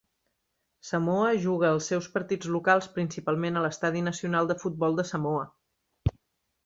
Samoa juga els seus partits locals principalment a l'Estadi Nacional de Futbol de Samoa.